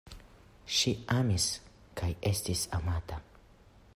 Ŝi amis kaj estis amata.